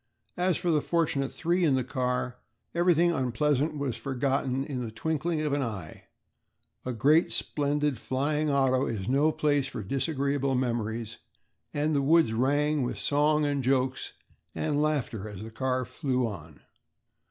As for the fortunate three in the car, everything unpleasant was forgotten in the twinkling of an eye. A great splendid flying auto is no place for disagreeable memories, and the woods rang with song and jokes and laughter as the car flew on.